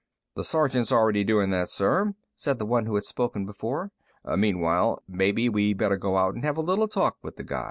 "The sergeant's already doing that, sir," said the one who had spoken before. "Meanwhile, maybe we better go out and have a little talk with the guy."